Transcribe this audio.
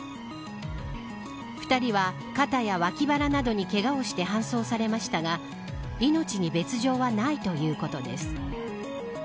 ２人は肩や脇腹などにけがをして搬送されましたが命に別条はないということです。